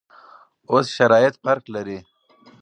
اوس شرایط فرق لري.